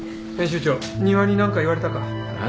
編集長仁和に何か言われたか？